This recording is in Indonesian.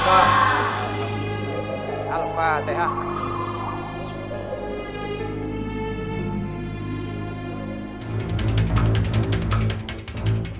sekarang kamu tinggal disini sayang